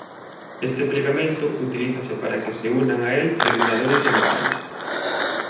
Este pregamento utilízase para que se unan a el reguladores e metais.